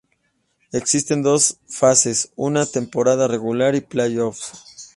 Existen dos fases, una temporada regular y playoffs.